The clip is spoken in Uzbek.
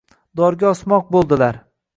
Dorga osmoq bo’ldilar.